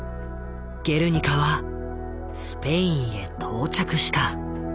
「ゲルニカ」はスペインへ到着した。